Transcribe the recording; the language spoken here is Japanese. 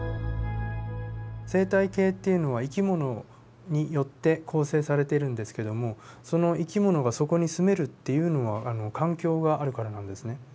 生態系っていうのは生き物によって構成されているんですけどもその生き物がそこに住めるっていうのは環境があるからなんですね。